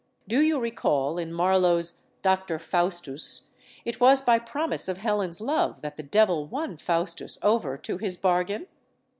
Do you recall, in Marlowe's "Doctor Faustus," it was by promise of Helen's love that the devil won Faustus over to his bargain?